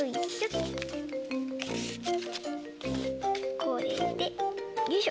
これでよいしょ。